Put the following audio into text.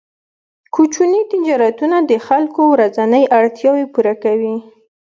کوچني تجارتونه د خلکو ورځنۍ اړتیاوې پوره کوي.